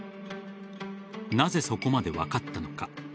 なぜそこまで分かったのか。